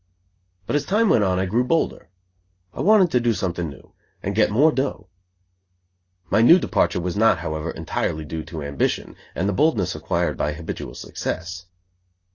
But as time went on I grew bolder. I wanted to do something new, and get more dough. My new departure was not, however, entirely due to ambition and the boldness acquired by habitual success.